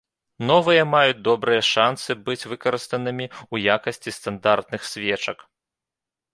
Новыя маюць добрыя шанцы быць выкарыстанымі ў якасці стандартных свечак.